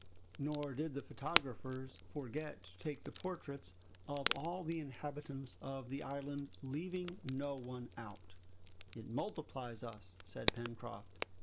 Nor did the photographers forget to take the portraits of all the inhabitants of the island, leaving out no one. "It multiplies us," said Pencroft.